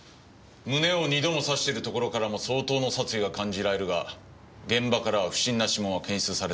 胸を２度も刺しているところからも相当の殺意が感じられるが現場からは不審な指紋は検出されてはいない。